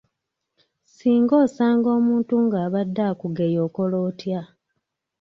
Singa osanga omuntu ng'abadde akugeya okola otya?